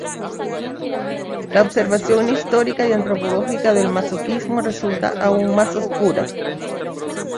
La observación histórica y antropológica del masoquismo resulta aún más oscura.